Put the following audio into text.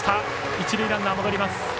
一塁ランナー、戻ります。